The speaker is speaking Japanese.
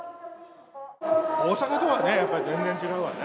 大阪とはやっぱり、全然違うわね。